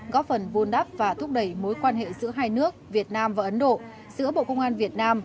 góp phần vun đắp và thúc đẩy mối quan hệ giữa hai nước việt nam và ấn độ giữa bộ công an việt nam